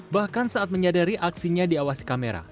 bahkan saat menyadari aksinya diawasi kamera